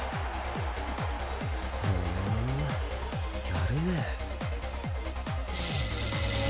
ふんやるねえ。